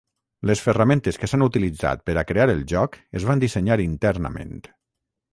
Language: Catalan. Les ferramentes que s'han utilitzat per a crear el joc es van dissenyar internament.